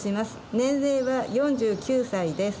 年齢は４９歳です。